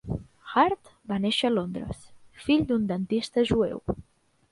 Hart va néixer a Londres, fill d'un dentista jueu.